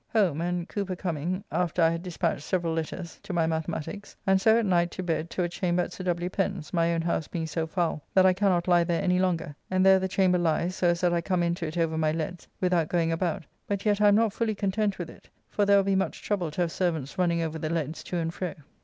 Home, and Cooper coming (after I had dispatched several letters) to my mathematiques, and so at night to bed to a chamber at Sir W. Pen's, my own house being so foul that I cannot lie there any longer, and there the chamber lies so as that I come into it over my leads without going about, but yet I am not fully content with it, for there will be much trouble to have servants running over the leads to and fro.